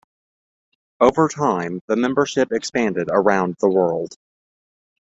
Over time, the membership expanded around the world.